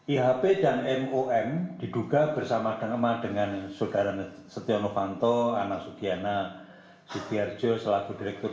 ihp dan mom diduga bersama dengan saudara setianu fanto anak sudiana sudi arjo selaku direktur